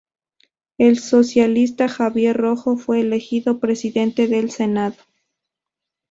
El socialista Javier Rojo fue elegido presidente del Senado.